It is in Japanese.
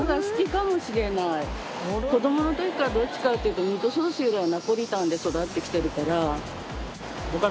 子どもの時からどっちかっていうとミートソースよりはナポリタンで育ってきてるから。